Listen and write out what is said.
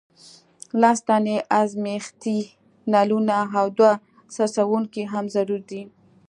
لس دانې ازمیښتي نلونه او دوه څڅونکي هم ضروري دي.